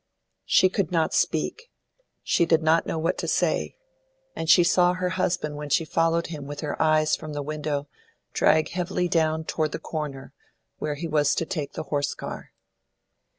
She could not speak; she did not know what to say, and she saw her husband when she followed him with her eyes from the window, drag heavily down toward the corner, where he was to take, the horse car.